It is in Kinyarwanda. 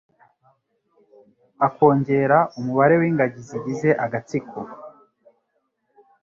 Akongera umubare w'ingagi zigize agatsiko,